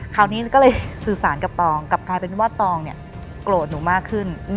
คราวนี้ก็เลยสื่อสารกับตองกลับกลายเป็นว่าตองเนี่ยโกรธหนูมากขึ้น